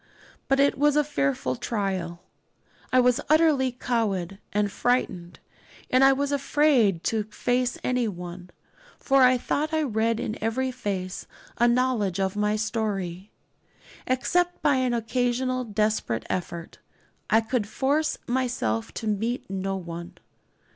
But it was a fearful trial. I was utterly cowed and frightened, and I was afraid to face anyone; for I thought I read in every face a knowledge of my story. Except by an occasional desperate effort, I could force myself to meet no one.